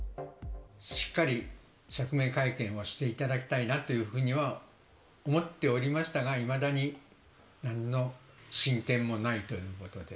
しっかり釈明会見をしていただきたいなというふうには思っておりましたが、いまだになんの進展もないということで。